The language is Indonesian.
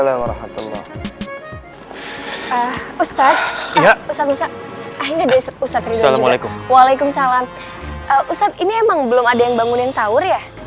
ustaz ini emang belum ada yang bangunin sahur ya